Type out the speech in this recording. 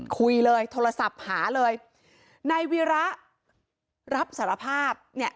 คุยเลยโทรศัพท์หาเลยนายวีระรับสารภาพเนี่ย